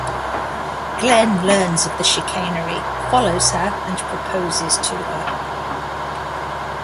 Glenn learns of the chicanery, follows her and proposes to her.